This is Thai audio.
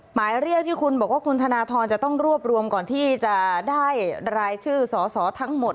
หมายเรียกที่คุณบอกว่าคุณธนทรจะต้องรวบรวมก่อนที่จะได้รายชื่อสอสอทั้งหมด